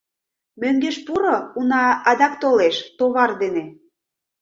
Мӧҥгеш пуро, уна, адак толеш... товар дене...